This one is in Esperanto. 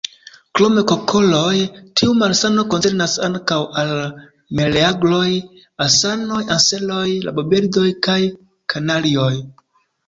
Krom kokoj, tiu malsano koncernas ankaŭ al meleagroj, anasoj, anseroj, rabobirdoj, kaj kanarioj.